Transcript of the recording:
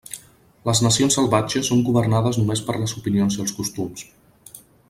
Les nacions salvatges són governades només per les opinions i els costums.